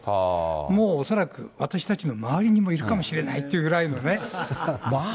もう恐らく私たちの周りにもいるかもしれないっていうぐらいのね。